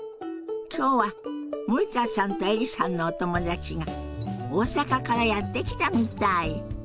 今日は森田さんとエリさんのお友達が大阪からやって来たみたい。